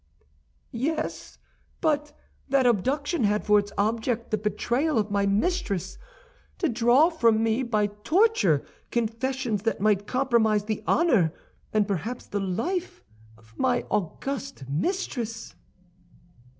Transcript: "Yes; but that abduction had for its object the betrayal of my mistress, to draw from me by torture confessions that might compromise the honor, and perhaps the life, of my august mistress."